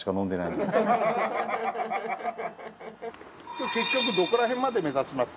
今日結局どこらへんまで目指します？